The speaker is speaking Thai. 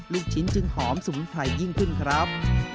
ลูกชิ้นจึงหอมสมุนไพรยิ่งขึ้นครับ